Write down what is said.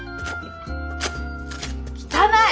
汚い！